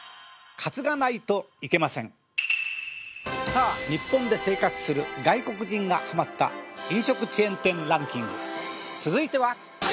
さあ日本で生活する外国人がハマった飲食チェーン店ランキング続いては。